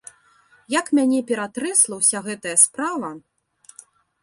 Як мяне ператрэсла ўся гэтая справа!